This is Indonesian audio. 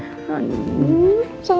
oh siuk siuk